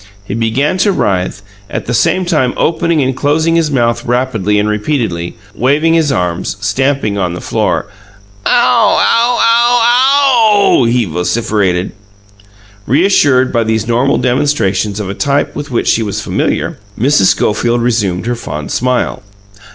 He began to writhe, at the same time opening and closing his mouth rapidly and repeatedly, waving his arms, stamping on the floor. "Ow! Ow ow OW!" he vociferated. Reassured by these normal demonstrations, of a type with which she was familiar, Mrs. Schofield resumed her fond smile.